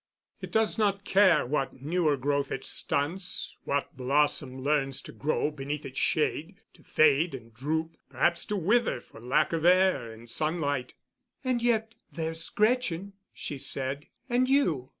It does not care what newer growth it stunts, what blossom learns to grow beneath its shade, to fade and droop, perhaps to wither for lack of air and sunlight——" "And yet—there's Gretchen," she said, "and you."